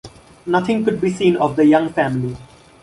Nothing could be seen of the young family.